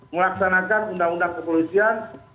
melaksanakan undang undang kepolisian